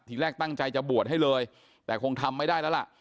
ทีแรกตั้งใจจะบวชให้เลยแต่คงทำไม่ได้แล้วล่ะ